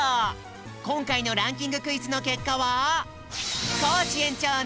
こんかいのランキング・クイズのけっかは。